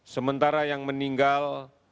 sementara yang meninggal tujuh ratus